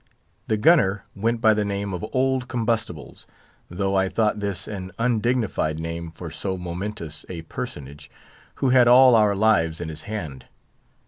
The gunner went by the name of Old Combustibles, though I thought this an undignified name for so momentous a personage, who had all our lives in his hand.